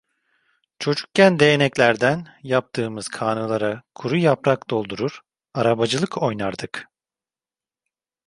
Çocukken değneklerden yaptığımız kağnılara kuru yaprak doldurur, arabacılık oynardık.